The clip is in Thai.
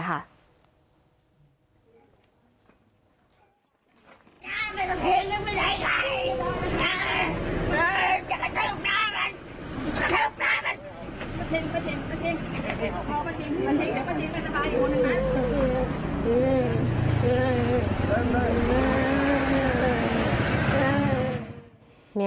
พอประชิงเดี๋ยวก็ประชิงมันจะมาอีกร้อนหนึ่งนะคะ